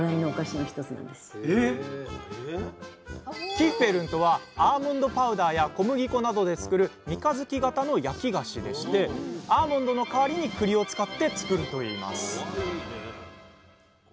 キッフェルンとはアーモンドパウダーや小麦粉などで作る三日月型の焼き菓子でしてアーモンドの代わりにくりを使って作るといいますかわいいね。